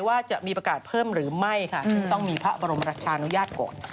ว่าจะมีประกาศเพิ่มหรือไม่ค่ะซึ่งต้องมีพระบรมราชานุญาต